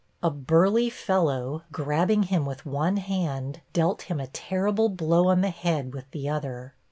A burly fellow, grabbing him with one hand, dealt him a terrible blow on the head with the other.